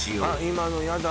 今のやだ